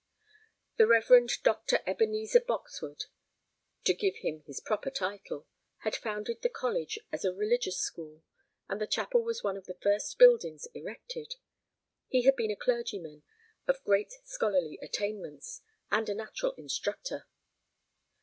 The Reverend Doctor Ebenezer Boxwood, to give him his proper title, had founded the college as a religious school, and the chapel was one of the first buildings erected. He had been a clergyman of great scholarly attainments, and a natural instructor.